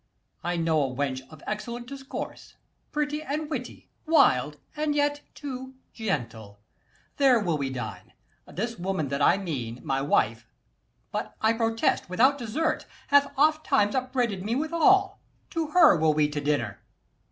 I know a wench of excellent discourse, Pretty and witty; wild, and yet, too, gentle: 110 There will we dine. This woman that I mean, My wife but, I protest, without desert Hath oftentimes upbraided me withal: To her will we to dinner.